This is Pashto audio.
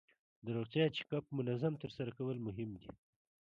د روغتیا چک اپ منظم ترسره کول مهم دي.